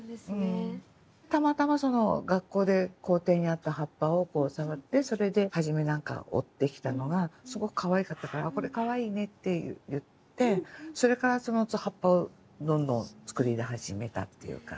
たまたま学校で校庭にあった葉っぱを触ってそれで初め折ってきたのがすごくかわいかったから「これかわいいね」って言ってそれからそのうち葉っぱをどんどんつくり始めたっていうか。